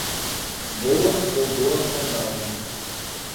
Boa ou boa sondagem.